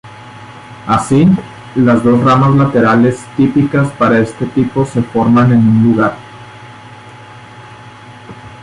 Así, las dos ramas laterales típicas para este tipo se forman en un lugar.